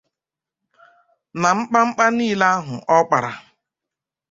nà mkpamkpa niile ahụ ọ kpara